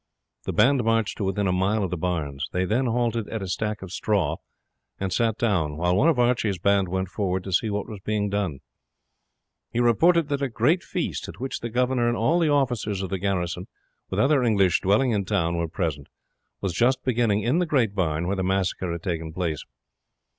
The band marched to within a mile of the barns. They then halted at a stack of straw, and sat down while one of Archie's band went forward to see what was being done. He reported that a great feast, at which the governor and all the officers of the garrison, with other English dwelling in town, were present, was just beginning in the great barn where the massacre had taken place.